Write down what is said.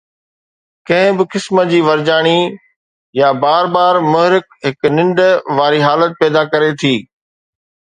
ڪنهن به قسم جي ورجائي يا بار بار محرک هڪ ننڊ واري حالت پيدا ڪري ٿي